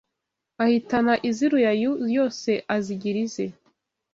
Ahitana iz’ i Ruyayu yose azigira ize